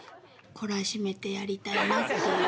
懲らしめてやりたいなっていう。